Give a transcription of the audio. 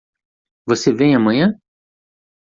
Você vem amanhã?